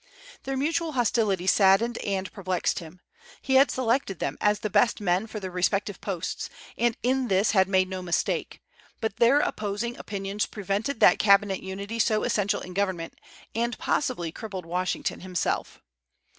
Their mutual hostility saddened and perplexed him. He had selected them as the best men for their respective posts, and in this had made no mistake; but their opposing opinions prevented that cabinet unity so essential in government, and possibly crippled Washington himself.